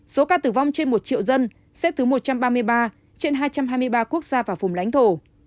số ca tử vong trên một triệu dân xếp thứ một trăm ba mươi ba trên hai trăm hai mươi ba quốc gia và vùng lãnh thổ